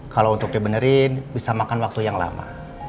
kalau untuk dibenerin bisa makan waktu yang lama